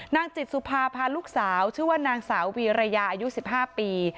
นางจิตสุภาพาลูกสาวชื่อว่านางสาววีรยาอายุ๑๕ปี